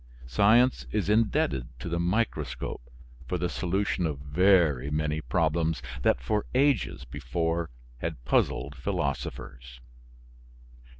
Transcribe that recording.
Science is indebted to the microscope for the solution of very many problems that for ages before had puzzled philosophers.